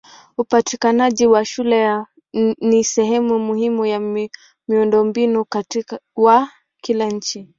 Upatikanaji wa shule ni sehemu muhimu ya miundombinu wa kila nchi.